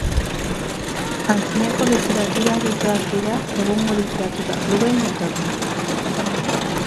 Antzinako literatura aretoak dira egungo literatura kluben jatorria.